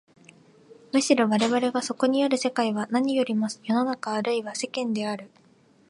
むしろ我々がそこにある世界は何よりも世の中あるいは世間である。